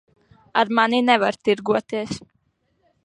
Ar mani nevar tirgoties.